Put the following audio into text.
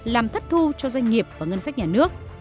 làm thất thu cho doanh nghiệp và ngân sách nhà nước